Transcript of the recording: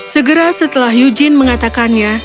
segera setelah eugene mengatakannya